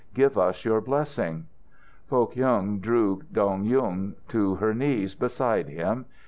Give us your blessing." Foh Kyung drew Dong Yung to her knees beside him.